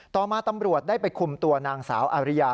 ต่อมาตำรวจได้ไปคุมตัวนางสาวอาริยา